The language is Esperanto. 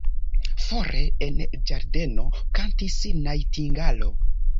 Fore, en ĝardeno, kantis najtingalo.